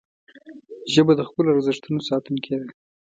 ژبه د خپلو ارزښتونو ساتونکې ده